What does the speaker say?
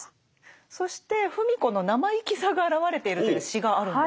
そして芙美子の生意気さが表れているという詩があるんですね。